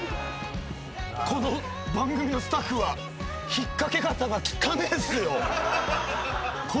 この番組のスタッフは引っ掛け方が汚えんすよ。